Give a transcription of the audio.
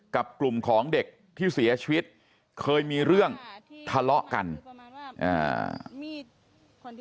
กับกลุ่มของเด็กที่เสียชีวิตเคยมีเรื่องทะเลาะกัน